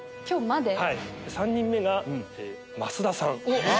３人目が増田さん。